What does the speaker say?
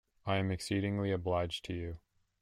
I am exceedingly obliged to you.